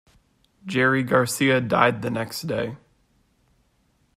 Jerry Garcia died the next day.